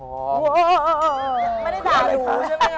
โอ้โฮไม่ได้ด่าหรือคะ